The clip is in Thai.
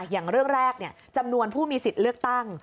อย่างเรื่องแรกจำนวนผู้มีสิทธิ์เลือกตั้ง